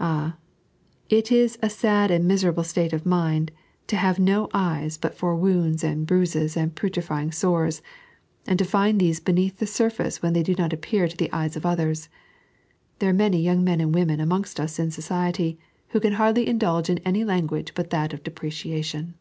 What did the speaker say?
Ah, it is a sad and miserable state of mind to have no eyes but for 3.n.iized by Google A Misjudged Man. 167 wounds, and bruiueK, and putrefying sores, and to find these "beneath the Burface when they do not appear to the eyes of others. There are many young men and women amongst us in society who can hardly indulge in any language but that of depreciation.